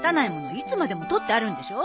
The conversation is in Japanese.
いつまでも取ってあるんでしょ？